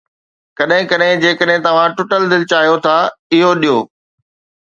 ڪڏهن ڪڏهن، جيڪڏهن توهان ٽٽل دل چاهيو ٿا، اهو ڏيو